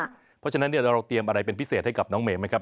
เพราะฉะนั้นเราเตรียมอะไรเป็นพิเศษให้กับน้องเมย์ไหมครับ